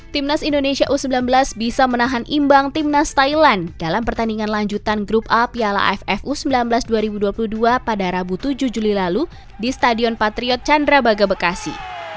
timnas indonesia u sembilan belas bisa menahan imbang timnas thailand dalam pertandingan lanjutan grup a piala aff u sembilan belas dua ribu dua puluh dua pada rabu tujuh juli lalu di stadion patriot candrabaga bekasi